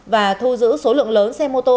và thu giữ số lượng lớn xe mô tô